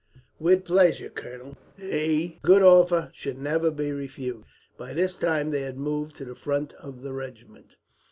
"With pleasure, colonel. A good offer should never be refused." By this time they had moved to the front of the regiment.